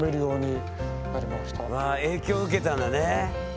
影響を受けたんだね。